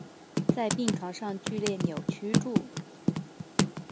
在病床上剧烈扭曲著